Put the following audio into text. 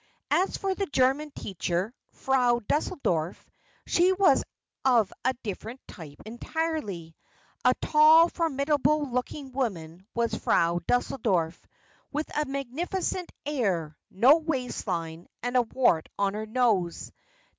As for the German teacher, Frau Deuseldorf, she was of a different type entirely. A tall, formidable looking woman was Frau Deuseldorf, with a magnificent air, no waistline, and a wart on her nose.